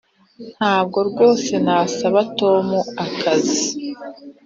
ntabwo rwose nasaba tom akazi.